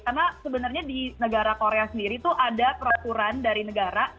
karena sebenarnya di negara korea sendiri tuh ada peraturan dari negara